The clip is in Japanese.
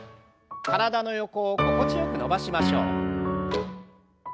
体の横を心地よく伸ばしましょう。